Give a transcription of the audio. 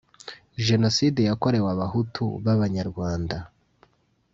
genocide yakorewe abahutu b’abanyarwanda